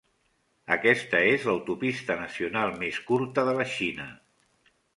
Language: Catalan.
Aquesta és l'autopista nacional més curta de la Xina.